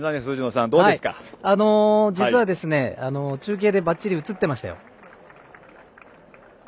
実は、中継でばっちり映っていましたよ。